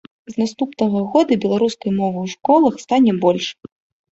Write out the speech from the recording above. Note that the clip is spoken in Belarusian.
З наступнага года беларускай мовы ў школах стане больш.